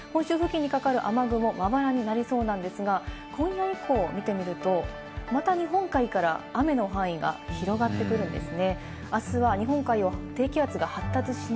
本州付近にかかる雨雲もまばらになりそうなんですが、今夜以降を見てみるとまた日本海から雨の範囲が広がってくるんですね。